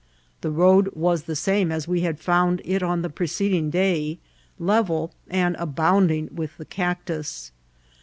The road was the same as we had found it on the preceding day, level, and abounding with the cac tus.